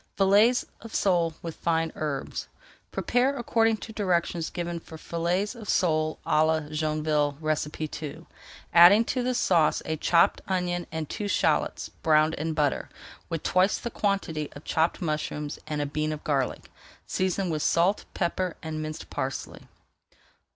FILLETS OF SOLE WITH FINE HERBS Prepare according to directions given for Fillets of Sale à la Joinville II, adding to the sauce a chopped onion and two shallots browned in butter, with twice the quantity of chopped mushrooms, and a bean of garlic. Season with salt, pepper, and minced parsley.